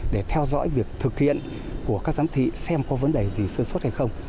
để theo dõi việc thực hiện của các giám thị xem có vấn đề gì sơ suất hay không